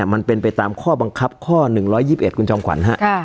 มันเป็นไปตามข้อบังคับข้อ๑๒๑คุณจอมขวัญ